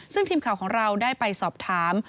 ซึ่งทีมข่าวของเราได้ไปสอบถาม